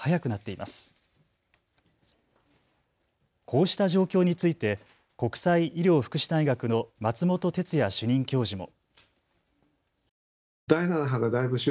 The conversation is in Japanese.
こうした状況について国際医療福祉大学の松本哲哉主任教授も。